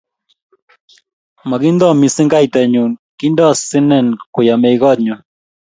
makinto mising kaita nyu, kinto sinen koyamei Koot nyu